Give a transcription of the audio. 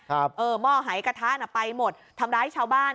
เออหม้อหายกระทะน่ะไปหมดทำร้ายชาวบ้าน